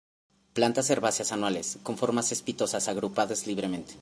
Plantas herbáceas anuales, con formas cespitosas agrupadas libremente.